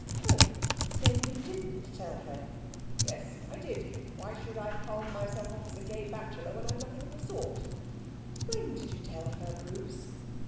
'Oh! then you didn't tell her?' 'Yes, I did. Why should I palm myself off as a gay bachelor when I'm nothing of the sort?' 'When did you tell her, Bruce?'